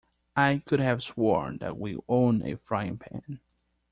I could have sworn that we own a frying pan.